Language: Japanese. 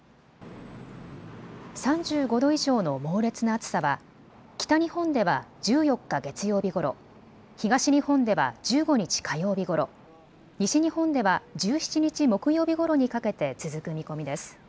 ３５度以上の猛烈な暑さは北日本では１４日月曜日ごろ、東日本では１５日火曜日ごろ、西日本では１７日木曜日ごろにかけて続く見込みです。